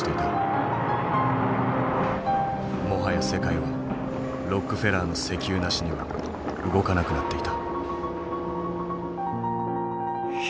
もはや世界はロックフェラーの石油なしには動かなくなっていた。